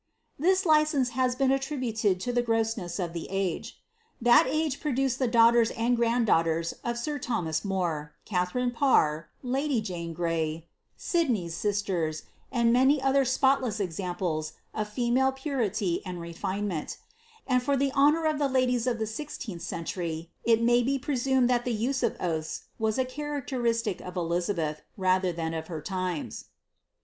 This license has been attributed to the grossness of the age. Th« age produced the daughters and grandaughters of air Thomas More Katharine Parr, lady Jane Grey, " Sidney's sister," and many other spot less examples of female purity and refinement ; and for the honour a the ladies of the ISth century, it jnay be presumed that the use of oalb was It characteristic of Elizabeth, rather than of her times.